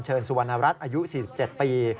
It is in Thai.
สุวรรณรัฐอายุ๔๗ปี